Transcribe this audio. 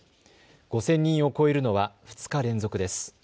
５０００人を超えるのは２日連続です。